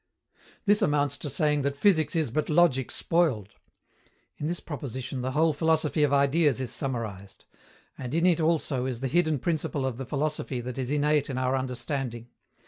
This amounts to saying that physics is but logic spoiled. In this proposition the whole philosophy of Ideas is summarized. And in it also is the hidden principle of the philosophy that is innate in our understanding.